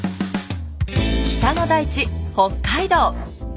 北の大地北海道。